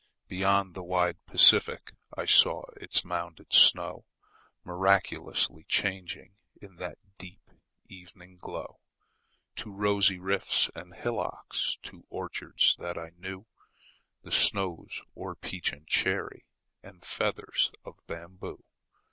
Beyond the wide Pacific I saw its mounded snow Miraculously changing In that deep evening glow, To rosy rifts and hillocks, To orchards that I knew, The snows or peach and cherry, And feathers of bamboo.